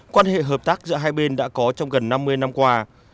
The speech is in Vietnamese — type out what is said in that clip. quan hệ hợp tác giữa hai bên đã có trong gần năm mươi năm qua